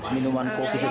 minuman kopi seperti itu